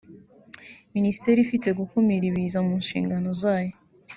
Minisiteri ifite gukumira ibiza mu nshingano zayo